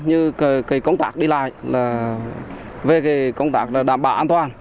như công tác đi lại về công tác đảm bảo an toàn